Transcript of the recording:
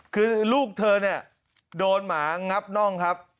คือลูกเธอเนี่ยโดนหมางับน่องครับ